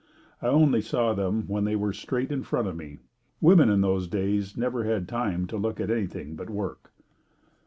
I only saw them when they were straight in front of me. Women in those days never had time to look at anything but work.